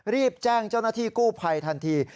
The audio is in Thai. รีบแจ้งเจ้าหน้าที่กู้ภัยทันที